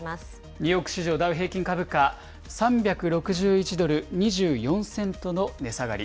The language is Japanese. ニューヨーク市場ダウ平均株価、３６１ドル２４セントの値下がり。